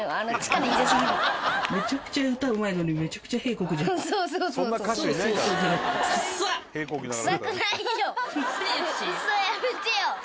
めちゃくちゃ歌うまいのにめちゃくちゃ屁こくじゃん。臭えし。